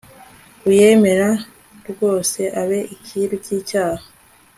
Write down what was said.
uyemera rwose, abe icyiru cy'ibyaha